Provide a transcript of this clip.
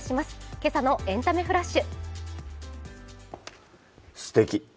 今朝の「エンタメフラッシュ」。